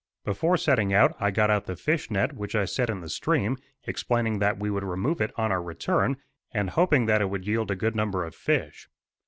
Before setting out I got out the fish net, which I set in the stream, explaining that we would remove it on our return, and hoping that it would yield a good number of fish.